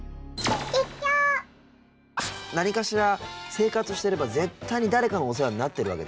何かしら生活してれば絶対に誰かのお世話になってるわけですから。